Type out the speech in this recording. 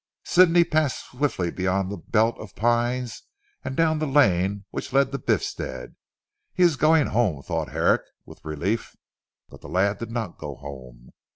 Sidney passed swiftly beyond the belt of pines and down the lane which led to Biffstead. "He is going home," thought Herrick with relief. But the lad did not go home.